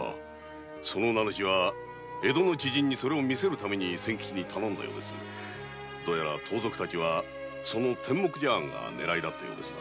その名主は江戸の知人に見せるために仙吉に頼んだようですが盗賊たちはその天目茶碗が狙いだったようです。